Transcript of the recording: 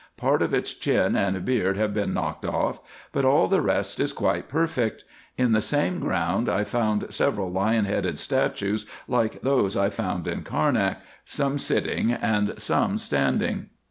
Part of its chin and beard have been knocked off, but all the rest is quite perfect. In the same ground I found several lion headed statues, like those I found in Carnak, some sitting and some standing.